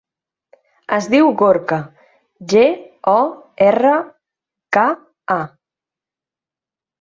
Es diu Gorka: ge, o, erra, ca, a.